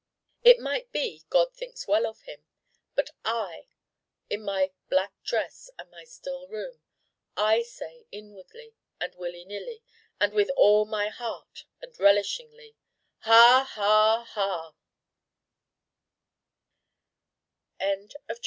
It might be God thinks well of him. But I in my black dress and my still room I say inwardly and willy nilly, and with all my Heart and relishingly: Ha! ha!